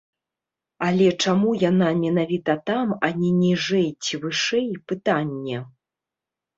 Але чаму яна менавіта там, а не ніжэй ці вышэй, пытанне.